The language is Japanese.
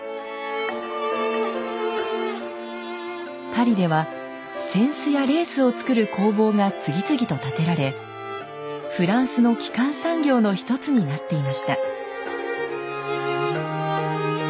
パリでは扇子やレースを作る工房が次々と建てられフランスの基幹産業の一つになっていました。